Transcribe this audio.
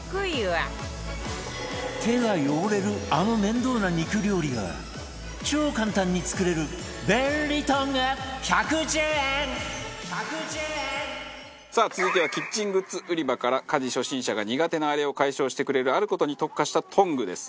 手が汚れるあの面倒な肉料理が超簡単に作れる便利トング１１０円さあ続いてはキッチングッズ売り場から家事初心者が苦手なあれを解消してくれるある事に特化したトングです。